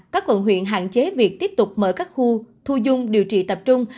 các quận huyện hạn chế việc tiếp tục mở các khu thu dung điều trị tập trung